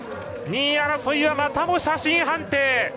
２位争いはまたも写真判定。